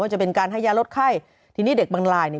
จะเป็นการให้ยาลดไข้ทีนี้เด็กบางลายเนี่ย